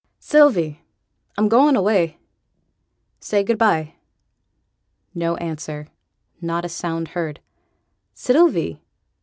'Sylvie! I'm going away; say good by.' No answer. Not a sound heard. 'Sylvie!'